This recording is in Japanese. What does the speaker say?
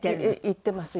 行ってます